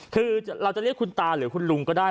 คือเราจะเรียกคุณตาหรือคุณลุงก็ได้